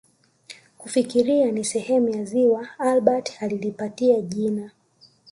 Kufikiria ni sehemu ya ziwa Albert alilipatia jina